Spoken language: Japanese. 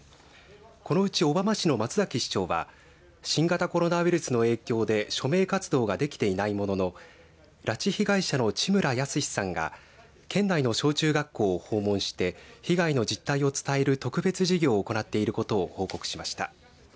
このうち小浜市の松崎市長は新型コロナウイルスの影響で署名活動ができていないものの拉致被害者の地村保志さんが県内の小中学校を訪問して被害の実態を伝える特別授業を行っていることを報告しました。